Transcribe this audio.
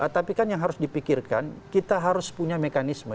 tapi kan yang harus dipikirkan kita harus punya mekanisme